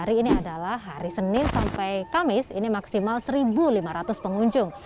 hari ini adalah hari senin sampai kamis ini maksimal satu lima ratus pengunjung